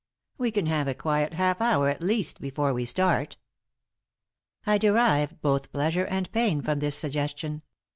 We can have a quiet half hour at least before we start." I derived both pleasure and pain from this suggestion.